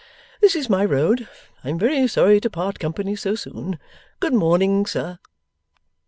This is my road. I am very sorry to part company so soon. Good morning, sir!